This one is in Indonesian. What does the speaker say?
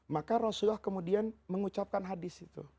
maka rasulullah kemudian mengucapkan hadis itu